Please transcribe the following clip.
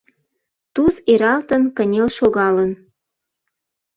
Туз иралтын, кынел шогалын: